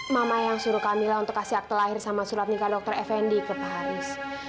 mama yang suruh kamila untuk kasih akte lahir sama surat nikah dokter effendi ke pak haris